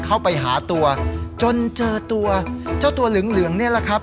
เข้าไปหาตัวจนเจอตัวเจ้าตัวเหลืองเหลืองนี่แหละครับ